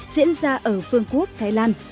diễn ra ở phương quốc thái lan